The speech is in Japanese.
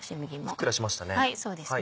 ふっくらしましたね。